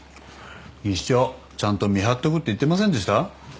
技師長ちゃんと見張っとくって言ってませんでした？